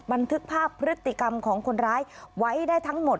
บันทึกภาพพฤติกรรมของคนร้ายไว้ได้ทั้งหมด